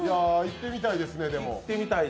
行ってみたいですね。